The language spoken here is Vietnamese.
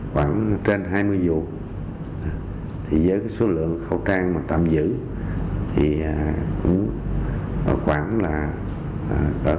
khoảng trên hai mươi vụ thì với cái số lượng khẩu trang mà tạm giữ thì cũng khoảng là khoảng một mươi